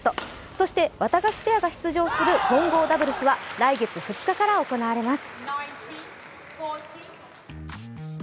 そして、わたがしペアが出場する混合ダブルスは来月２日から行われます。